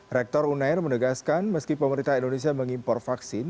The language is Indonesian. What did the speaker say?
rektor unair menegaskan meski pemerintah indonesia mengimpor vaksin